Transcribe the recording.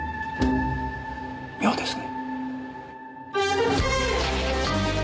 妙ですね。